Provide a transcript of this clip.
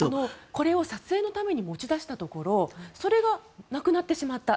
これを撮影のために持ち出したところそれがなくなってしまった。